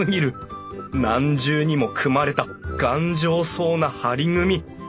何重にも組まれた頑丈そうな梁組み。